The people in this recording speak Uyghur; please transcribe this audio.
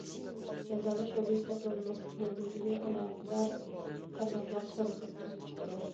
جازالاش ئوبيېكتى قىلىنماسلىق مۇددىتىنى ئالاقىدار تارماقلار كونكرېت تۈزۈپ چىقىدۇ.